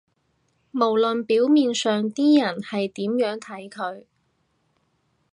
無論表面上啲人係點樣睇佢